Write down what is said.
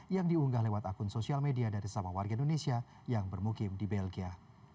yang diunggah lewat akun sosial media dari sesama warga indonesia yang bermukim di belgia